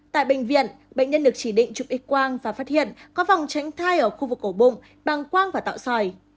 tại bệnh viện bệnh nhân được chỉ định chụp x quang và phát hiện có vòng tránh thai ở khu vực cổ bụng bằng quang và tạo sòi